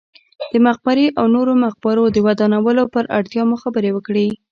د مقبرې او نورو مقبرو د ودانولو پر اړتیا مو خبرې وکړې.